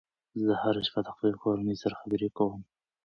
زه هره شپه د خپلې کورنۍ سره خبرې کوم.